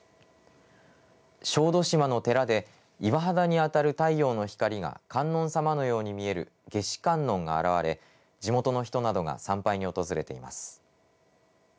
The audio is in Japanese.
小豆島の寺で岩肌に当たる太陽の光が観音様のように見える夏至観音が現れ地元の人などが参拝に訪れています。